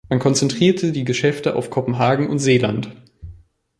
Man konzentrierte die Geschäfte auf Kopenhagen und Seeland.